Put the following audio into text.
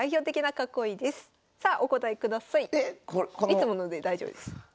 いつもので大丈夫です。